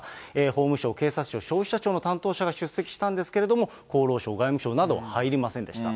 法務省、警察庁、消費者庁の担当者が出席したんですけども、厚労省、外務省など入りませんでした。